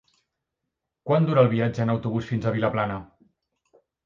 Quant dura el viatge en autobús fins a Vilaplana?